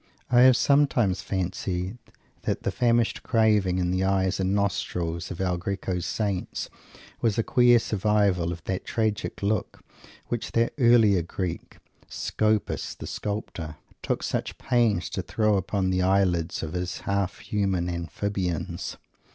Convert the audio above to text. I have sometimes fancied that the famished craving in the eyes and nostrils of El Greco's saints was a queer survival of that tragic look which that earlier Greek, Scopas the Sculptor, took such pains to throw upon the eyelids of his half human amphibiums.